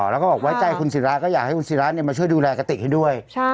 แล้วก็บอกไว้ใจคุณศิราก็อยากให้คุณศิรามาช่วยดูแลกระติกให้ด้วย